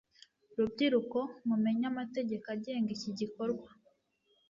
rubyiruko mumenya amategeko agenga iki gikorwa